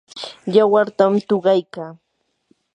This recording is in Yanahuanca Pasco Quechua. yawartam tuqaykaa.